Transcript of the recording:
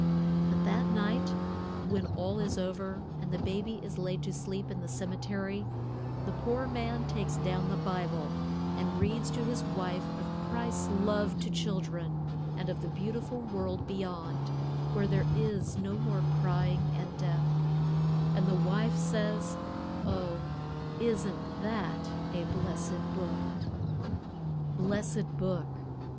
But that night, when all is over, and the baby is laid to sleep in the cemetery, the poor man takes down the Bible and reads to his wife of Christ's love to children, and of the beautiful world beyond, where there is no more crying and death, and the wife says, "Oh, isn't that a blessed Book!" Blessed Book.